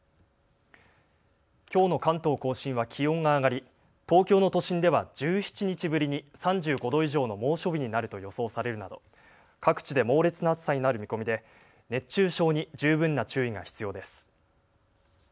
きょうの関東甲信は気温が上がり東京の都心では１７日ぶりに３５度以上の猛暑日になると予想されるなど各地で猛烈な暑さになる見込みで熱中症に十分な注意が必要です。